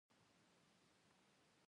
په سریلانکا کې د فیلانو شمېر